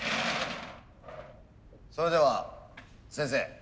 それでは先生